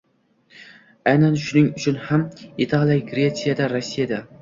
Aynan shuning uchun ham Italiyada, Gretsiyada, Rossiyada